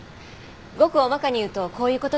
ごく大まかに言うとこういうことですが。